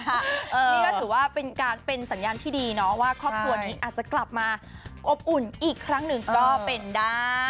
นี่ก็ถือว่าเป็นการเป็นสัญญาณที่ดีเนาะว่าครอบครัวนี้อาจจะกลับมาอบอุ่นอีกครั้งหนึ่งก็เป็นได้